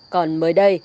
còn mới đây